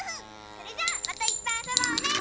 それじゃあまたいっぱいあそぼうね！